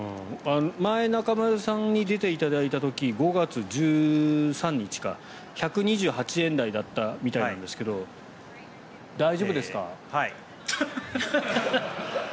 前、中丸さんに出ていただいた時、５月１３日１２８円台だったみたいですが大丈夫ですか？